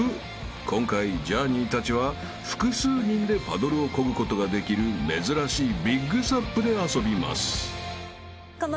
［今回ジャーニーたちは複数人でパドルをこぐことができる珍しいＢＩＧＳＵＰで遊びます］